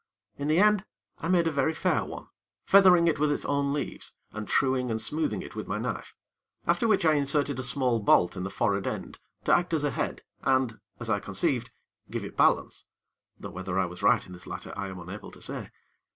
In the end, I made a very fair one, feathering it with its own leaves, and truing and smoothing it with my knife; after which I inserted a small bolt in the forrard end, to act as a head, and, as I conceived, give it balance; though whether I was right in this latter, I am unable to say.